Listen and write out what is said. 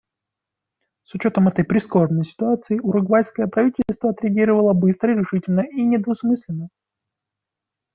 С учетом этой прискорбной ситуации, уругвайское правительство отреагировало быстро, решительно и недвусмысленно.